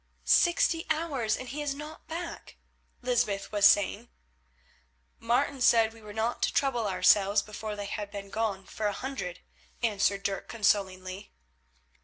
"Sixty hours and he is not back," Lysbeth was saying. "Martin said we were not to trouble ourselves before they had been gone for a hundred," answered Dirk consolingly.